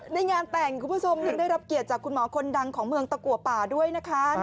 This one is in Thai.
ในงานแต่งคุณผู้ชมยังได้รับเกียรติจากคุณหมอคนดังของเมืองตะกัวป่าด้วยนะคะ